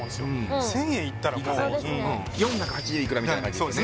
１０００円いったらもう４８０いくらみたいな感じですね